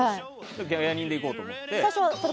それで芸人で行こうと思って。